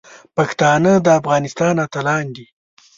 پښتانه د افغانستان اتلان دي.